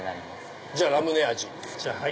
じゃあラムネ味。